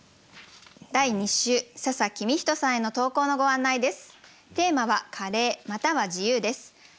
第２週笹公人さんへの投稿のご案内です。